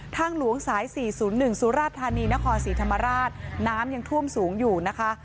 ทางหลวงสาย๔๐๑สุราธานีนครศรีธรรมราชน้ำยังท่วมสูงอยู่นะคะ